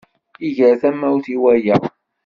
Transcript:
Iger tamawt i waya.